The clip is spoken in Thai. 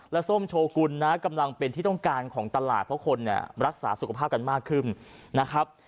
และส้มโชกุลนะกำลังเป็นที่ต้องการของตลาดเพราะคนเนี่ยรักษาสุขภาพกันมากขึ้นนะครับ